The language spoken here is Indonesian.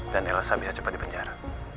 dan elsa bisa cepat di penjara